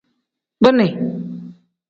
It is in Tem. Bini.